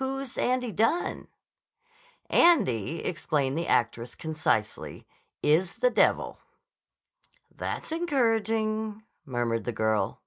"Who's Andy Dunne?" "Andy," explained the actress concisely, "is the devil." "That's encouraging," murmured the girl.